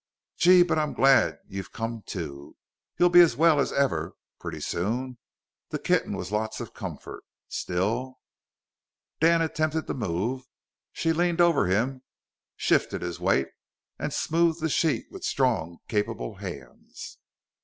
"Gee, but I'm glad you've come to! You'll be as well as ever, pretty soon. The kitten was lots of comfort. Still " Dan attempted to move. She leaned over him, shifted his weight and smoothed the sheet with strong, capable hinds.